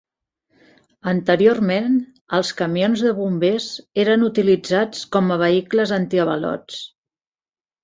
Anteriorment, els camions de bombers eren utilitzats com a vehicles antiavalots.